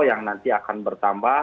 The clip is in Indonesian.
yang nanti akan bertambah